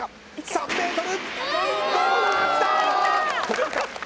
３ｍ！